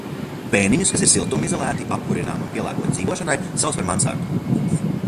Bēniņus, kas ir siltumizolēti, apkurināmi un pielāgoti dzīvošanai, sauc par mansardu.